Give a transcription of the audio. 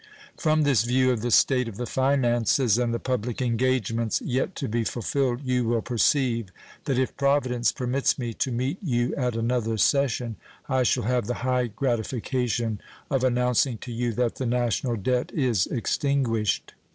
From this view of the state of the finances and the public engagements yet to be fulfilled you will perceive that if Providence permits me to meet you at another session I shall have the high gratification of announcing to you that the national debt is extinguished.